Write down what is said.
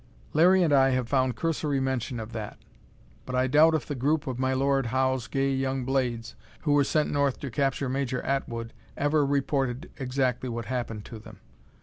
Larry and I have found cursory mention of that. But I doubt if the group of My Lord Howe's gay young blades who were sent north to capture Major Atwood ever reported exactly what happened to them.